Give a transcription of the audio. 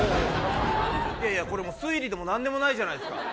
これ、もう推理でも何でもないじゃないですか。